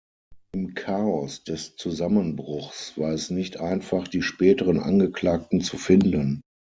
Im Chaos des Zusammenbruchs war es nicht einfach, die späteren Angeklagten zu finden.